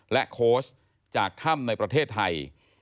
โค้ชจากถ้ำในประเทศไทย